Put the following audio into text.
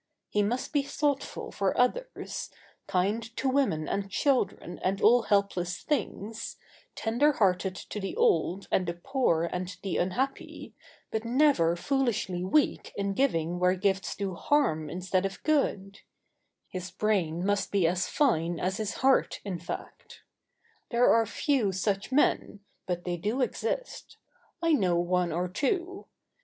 He must be thoughtful for others, kind to women and children and all helpless things, tender hearted to the old and the poor and the unhappy, but never foolishly weak in giving where gifts do [Sidenote: A man's brain should be as fine as his heart.] harm instead of good his brain must be as fine as his heart, in fact. There are few such men; but they do exist. I know one or two.